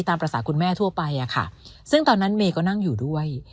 ตามภาษาคุณแม่ทั่วไปอะค่ะซึ่งตอนนั้นเมย์ก็นั่งอยู่ด้วย